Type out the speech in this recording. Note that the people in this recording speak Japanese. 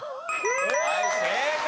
はい正解！